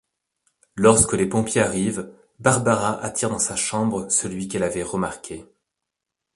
Lorsque les pompiers arrivent, Barbara attire dans sa chambre celui qu’elle avait remarqué…